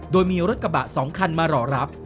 โดยมีรถกระบะ๒คันมารอรับ